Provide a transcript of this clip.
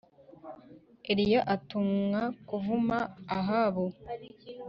Eliya atumwa kuvuma Ahabu